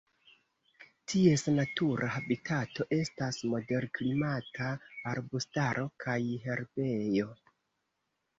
Ties natura habitato estas moderklimata arbustaro kaj herbejo.